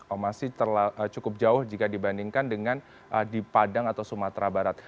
oh masih cukup jauh jika dibandingkan dengan di padang atau sumatera barat